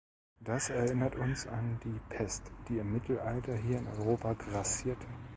Das erinnert uns an die Pest, die im Mittelalter hier in Europa grassierte.